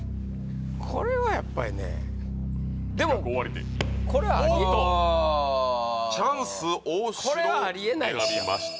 これはやっぱりねでもこれはあチャンス大城を選びました